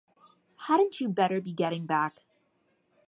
Hadn't you better be getting back?